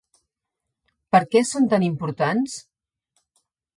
Per què són tan importants?